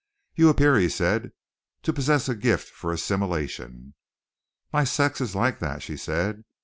"You appear," he said, "to possess a gift for assimilation!" "My sex is like that," she said.